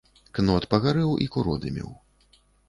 Кнот пагарэў і куродымеў.